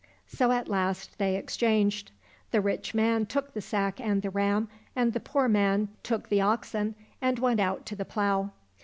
So at last they exchanged. The rich man took the sack and the ram, and the poor man took the oxen and went out to the plough.